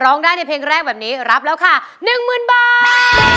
ร้องได้ในเพลงแรกแบบนี้รับแล้วค่ะ๑๐๐๐บาท